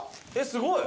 すごい。